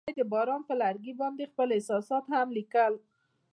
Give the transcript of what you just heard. هغوی د باران پر لرګي باندې خپل احساسات هم لیکل.